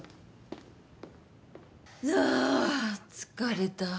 あー疲れた。